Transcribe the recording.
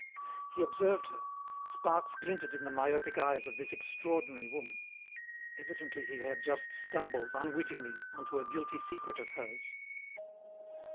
He observed her; sparks glinted in the myopic eyes of this extraordinary woman. Evidently he had just stumbled, unwittingly, onto a guilty secret of hers.